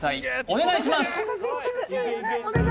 お願いします